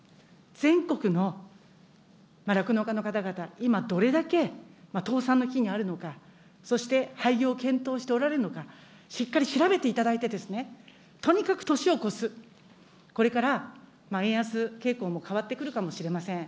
全国の酪農家の方々、今、どれだけ倒産の危機にあるのか、そして廃業を検討しておられるのか、しっかり調べていただいて、とにかく年を越す、これから円安傾向も変わってくるかもしれません。